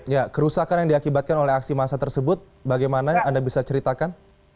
ya kerusakan yang diakibatkan oleh aksi massa tersebut bagaimana anda bisa ceritakan